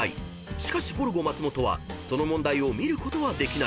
［しかしゴルゴ松本はその問題を見ることはできない］